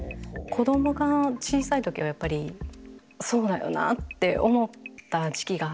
子どもが小さい時はやっぱりそうだよなって思った時期があって。